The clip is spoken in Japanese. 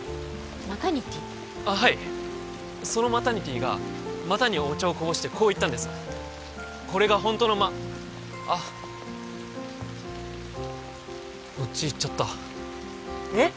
あっはいそのマタニティーが股にお茶をこぼしてこう言ったんですこれがホントのマあっオチ言っちゃったえっ？